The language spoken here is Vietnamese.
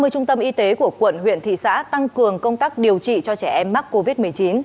ba mươi trung tâm y tế của quận huyện thị xã tăng cường công tác điều trị cho trẻ em mắc covid một mươi chín